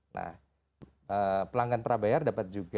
nah pelanggan prabayar dapat juga